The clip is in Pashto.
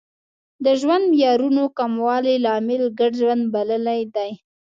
د ژوند معیارونو کموالی لامل ګډ ژوند بللی دی